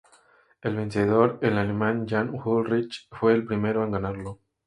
El vencedor, el alemán Jan Ullrich, fue el primero en ganarlo.